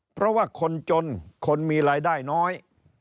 เพราะว่าคนจนคนมีรายได้น้อย